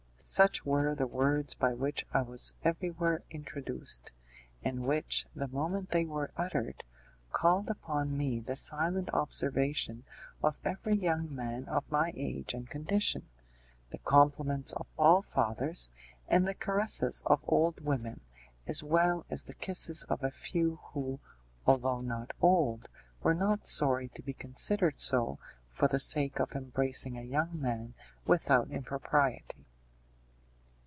Such were the words by which I was everywhere introduced, and which, the moment they were uttered, called upon me the silent observation of every young man of my age and condition, the compliments of all fathers, and the caresses of old women, as well as the kisses of a few who, although not old, were not sorry to be considered so for the sake of embracing a young man without impropriety.